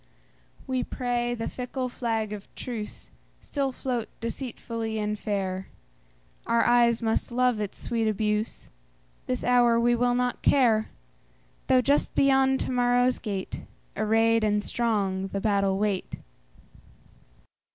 We pray the fickle flag of truceStill float deceitfully and fair; Our eyes must love its sweet abuse; This hour we will not care, Though just beyond to morrow's gate, Arrayed and strong, the battle wait.